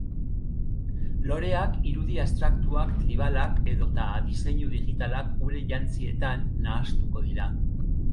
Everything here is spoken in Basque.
Loreak, irudi abstraktuak, tribalak edota diseinu digitalak gure jantzietan nahastuko dira.